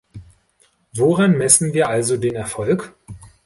Woran messen wir also den Erfolg?